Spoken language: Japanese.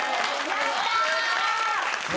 やった！